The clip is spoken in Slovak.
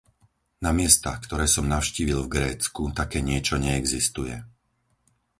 Na miestach, ktoré som navštívil v Grécku, také niečo neexistuje.